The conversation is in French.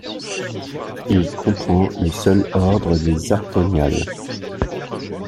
Il comprend le seul ordre des Arthoniales.